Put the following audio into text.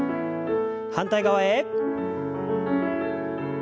反対側へ。